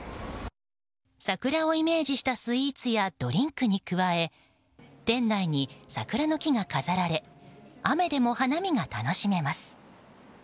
桜をイメージしたスイーツやドリンクに加え店内に桜の木が飾られ雨でも花見が楽しめます。